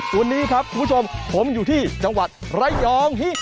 วันนี้ครับคุณผู้ชมผมอยู่ที่จังหวัดระยองฮิ